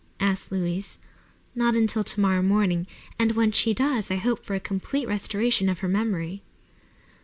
asked Louise. "Not until tomorrow morning, and when she does I hope for a complete restoration of her memory."